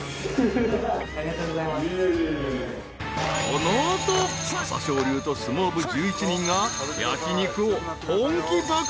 ［この後朝青龍と相撲部１１人が焼き肉を本気爆食い］